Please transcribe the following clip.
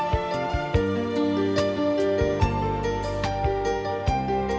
hẹn gặp lại